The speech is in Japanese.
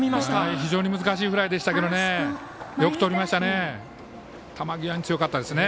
非常に難しいフライでしたけどよくとりましたね。